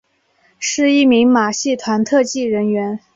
是一名马戏团特技人员。